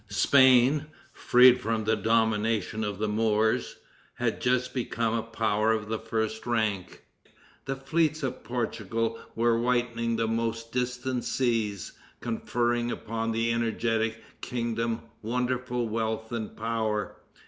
Spain, freed from the domination of the Moors, had just become a power of the first rank. The fleets of Portugal were whitening the most distant seas, conferring upon the energetic kingdom wonderful wealth and power.